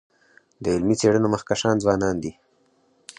د علمي څيړنو مخکښان ځوانان دي.